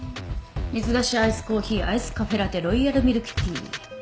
「水出しアイスコーヒーアイスカフェラテロイヤルミルクティー」